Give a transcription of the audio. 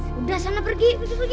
udah sana pergi pergi pergi